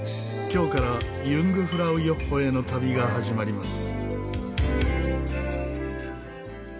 今日からユングフラウヨッホへの旅が始まります。